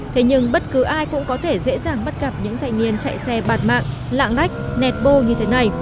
thế nhưng bất cứ ai cũng có thể dễ dàng bắt gặp những thanh niên chạy xe bạt mạng lạng lách nẹt bô như thế này